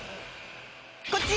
こっち！